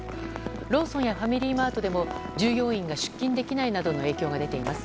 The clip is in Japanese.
ローソンやファミリーマートでも従業員が出勤できないなどの影響が出ています。